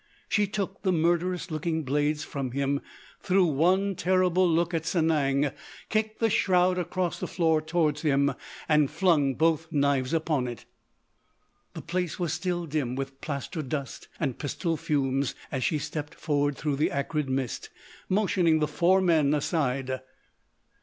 She took the murderous looking blades from him, threw one terrible look at Sanang, kicked the shroud across the floor toward him, and flung both knives upon it. The place was still dim with plaster dust and pistol fumes as she stepped forward through the acrid mist, motioning the four men aside.